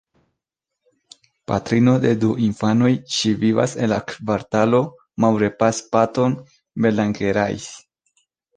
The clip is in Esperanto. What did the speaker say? Patrino de du infanoj, ŝi vivas en la kvartalo Maurepas-Patton-Bellangerais.